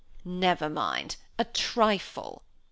"Never mind! a trifle!"